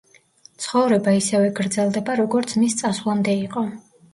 ცხოვრება ისევე გრძელდება როგორც მის წასვლამდე იყო.